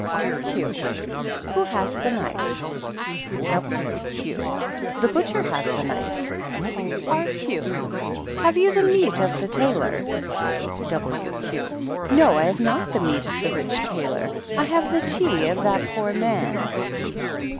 Q. Who has the knife ? W. Q. The butcher has the knife. B, Q. Have you the meat of the tailor? TT. Q. No, I have not the meat of the rich tailor; I have the tea of that poor man.